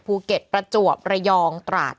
ภูเก็ตประจวบเรยองตราส